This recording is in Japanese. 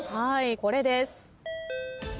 これです。